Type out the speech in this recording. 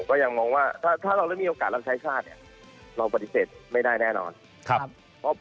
ก็ยังมองว่าถ้าเราไม่มีโอกาสรับใช้ชาติเนี่ยเราปฏิเสธไม่ได้แน่นอน